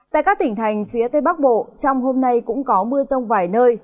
tại các tỉnh thành phía tây bắc bộ trong hôm nay cũng có mưa rông vài nơi